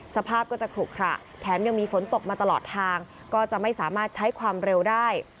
สภาพก็จะขลุขระแถมยังมีฝนตกมาตลอดทางก็จะไม่สามารถใช้ความเร็วได้